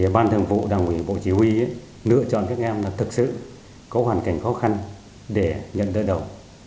ban thường vụ đảng ủy bộ chỉ huy lựa chọn các em là thực sự có hoàn cảnh khó khăn để nhận đỡ đầu